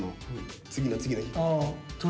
次の次の日。